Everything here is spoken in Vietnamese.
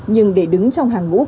nhưng để đứng trong hàng ngũ cơ sở